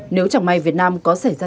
nếu chẳng may việt nam có xảy ra